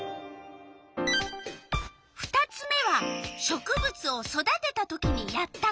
２つ目は植物を育てた時にやったこと。